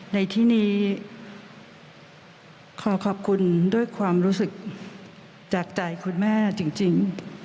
ในที่นี้ขอขอบคุณด้วยความรู้สึกจากใจคุณแม่จริง